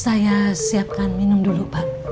saya siapkan minum dulu pak